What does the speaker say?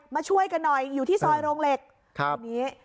มาช่วยกันหน่อยอยู่ที่ซอยโรงเหล็กทีนี้